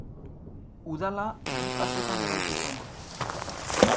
Udala bi fasetan eraiki zen.